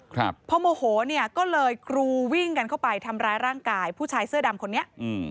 ครับพอโมโหเนี่ยก็เลยกรูวิ่งกันเข้าไปทำร้ายร่างกายผู้ชายเสื้อดำคนนี้อืม